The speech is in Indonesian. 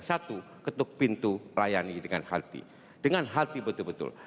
satu ketuk pintu layani dengan hati dengan hati betul betul